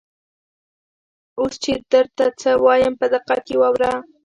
اوس چې درته څه وایم په دقت یې واوره.